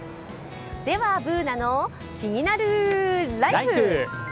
では「ＢｏｏｎａのキニナルＬＩＦＥ」。